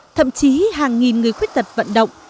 thậm chí hàng nghìn người khuyết tật vận động